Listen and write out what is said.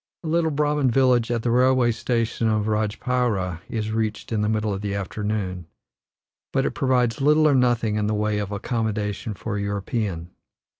A little Brahman village at the railway station of Rajpaira is reached in the middle of the afternoon; but it provides little or nothing in the way of accommodation for a European.